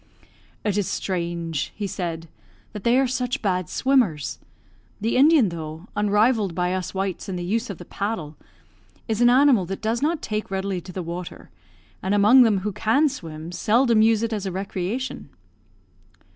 "It is strange," he said, "that they are such bad swimmers. The Indian, though unrivalled by us whites in the use of the paddle, is an animal that does not take readily to the water, and those among them who can swim seldom use it as a recreation."